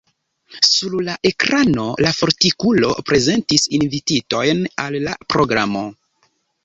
Sur la ekrano la fortikulo prezentis invititojn al la programo.